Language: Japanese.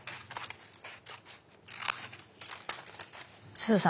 すずさん